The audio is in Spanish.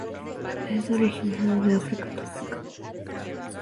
Es originario de África tropical.